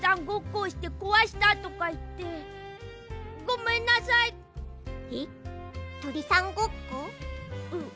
ごっこをしてこわしたとかいってごめんなさい！え？